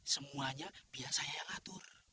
semuanya biar saya yang atur